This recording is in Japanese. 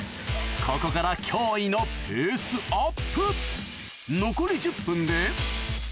ここから驚異のペースアップ！